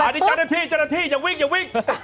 อันนี้เจ้าหน้าที่เจ้าหน้าที่อย่าวิ่งอย่าวิ่ง